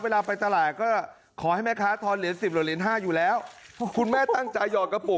เวลาไปตลาดก็ขอให้แม่ค้าทอนเหรียญสิบหรือเหรียญห้าอยู่แล้วคุณแม่ตั้งใจหอดกระปุก